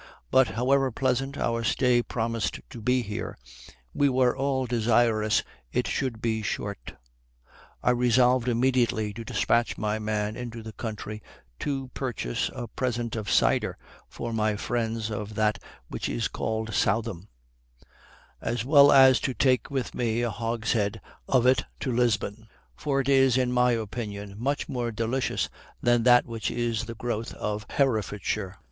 But, however pleasant our stay promised to be here, we were all desirous it should be short: I resolved immediately to despatch my man into the country to purchase a present of cider, for my friends of that which is called Southam, as well as to take with me a hogshead of it to Lisbon; for it is, in my opinion, much more delicious than that which is the growth of Herefordshire.